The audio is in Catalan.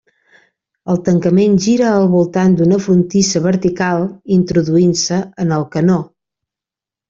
El tancament gira al voltant d'una frontissa vertical, introduint-se en el canó.